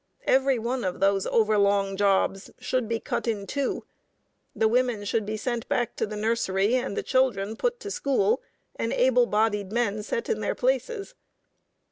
Every one of those over long jobs should be cut in two; the women should be sent back to the nursery, and the children put to school, and able bodied men set in their places.